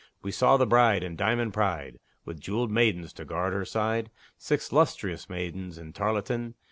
We saw the bride In diamond pride, With jeweled maidens to guard her side Six lustrous maidens in tarletan.